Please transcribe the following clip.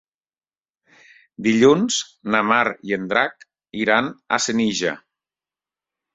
Dilluns na Mar i en Drac iran a Senija.